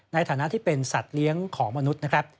ในฐานะที่เป็นสัตว์เลี้ยงของมนุษย์นะครับ